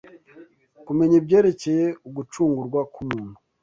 Kumenya ibyerekeye ugucungurwa k’umuntu